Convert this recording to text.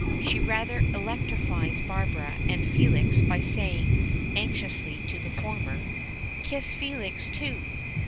She rather electrifies Barbara and Felix by saying anxiously to the former: "Kiss Felix, too."